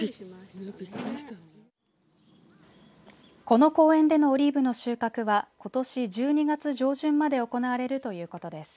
この公園でのオリーブの収穫はことし１２月上旬まで行われるということです。